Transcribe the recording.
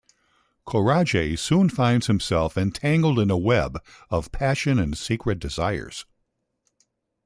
Coraje soon finds himself entangled in a web of passion and secret desires.